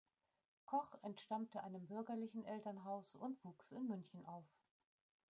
Koch entstammte einem bürgerlichen Elternhaus und wuchs in München auf.